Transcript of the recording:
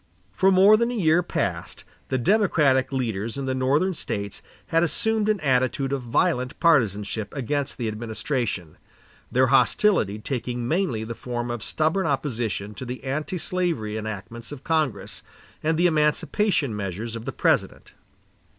For more than a year past, the Democratic leaders in the Northern States had assumed an attitude of violent partizanship against the administration, their hostility taking mainly the form of stubborn opposition to the antislavery enactments of Congress and the emancipation measures of the President.